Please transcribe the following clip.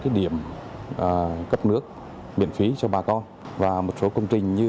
các điểm cấp nước miễn phí cho bà con và một số công trình